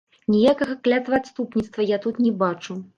Ніякага клятваадступніцтва я тут не бачу.